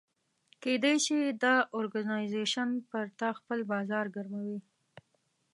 کېدای شي دا اورګنایزیش پر تا خپل بازار ګرموي.